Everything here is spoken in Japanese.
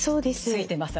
ついてます